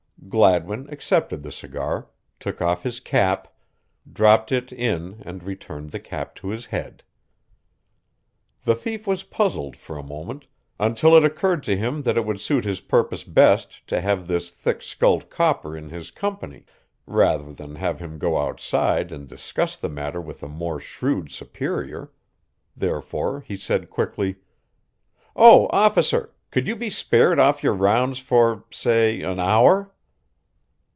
Gladwin accepted the cigar, took off his cap, dropped it in and returned the cap to his head. The thief was puzzled for a moment, until it occurred to him that it would suit his purpose best to have this thick skulled copper in his company rather than have him go outside and discuss the matter with a more shrewd superior. Therefore he said quickly: "Oh, officer, could you be spared off your rounds for, say, an hour?"